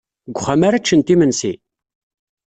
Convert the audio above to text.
Deg uxxam ara ččent imensi?